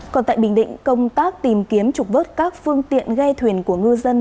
còn tại bình định công tác tìm kiếm trục vớt các phương tiện ghe thuyền của ngư dân